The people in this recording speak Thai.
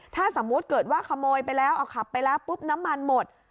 ถ้าสมมุติเกิดว่าขโมยไปแล้วเอาขับไปแล้วปุ๊บน้ำมันหมด